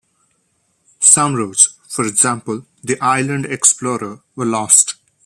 Some routes, for example the "Island Explorer" were lost.